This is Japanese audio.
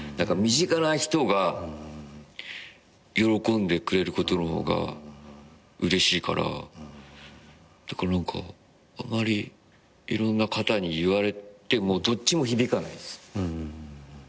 身近な人が喜んでくれることの方がうれしいからだから何かあまりいろんな方に言われてもどっちも響かないです。